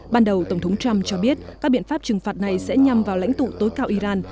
ban đầu tổng thống trump cho biết các biện pháp trừng phạt này sẽ nhằm vào lãnh tụ tối cao iran